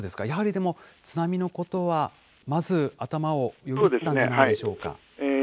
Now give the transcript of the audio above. やはりでも、津波のことはまず頭をよぎったんじゃないでしょうか。